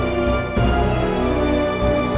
aku akan selalu beautifulingsg